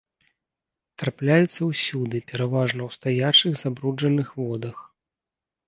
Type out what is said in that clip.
Трапляюцца ўсюды, пераважна ў стаячых забруджаных водах.